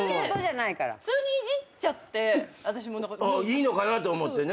いいのかなと思ってね。